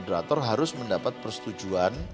jadi ini adalah hal yang harus dilakukan